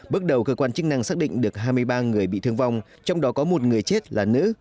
bước đầu cơ quan chức năng xác định được hai mươi ba người bị thương vong trong đó có một người chết là nữ